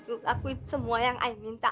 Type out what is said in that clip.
iu lakuin semua yang i minta